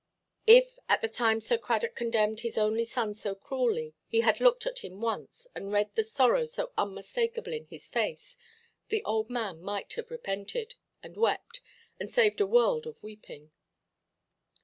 If, at the time Sir Cradock condemned his only son so cruelly, he had looked at him once, and read the sorrow so unmistakeable in his face, the old man might have repented, and wept, and saved a world of weeping.